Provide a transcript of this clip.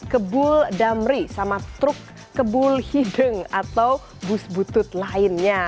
kebul damri sama truk kebul hideng atau bus butut lainnya